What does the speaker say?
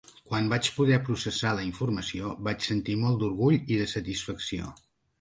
Quan vaig poder processar la informació, vaig sentir molt d’orgull i de satisfacció.